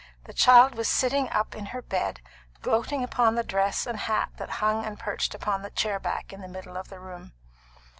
The child was sitting up in her bed, gloating upon the dress and hat hung and perched upon the chair back in the middle of the room.